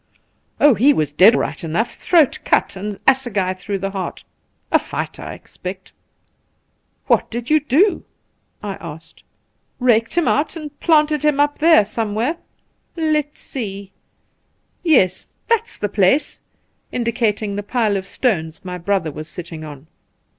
* Oh, he was dead right enough — ^throat cut and assegai through the heart. A fight, I expect.' ' What did you do T I asked. ' Eaked him out and planted him up here some where. Let's see — yes, that's the place '— indi cating the pile of stones my brother was sitting on.